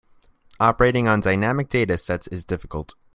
Operating on dynamic data sets is difficult.